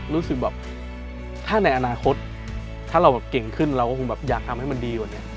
รู้สึกแบบถ้าในอนาคตถ้าเราเก่งขึ้นเราก็คงแบบอยากทำให้มันดีกว่านี้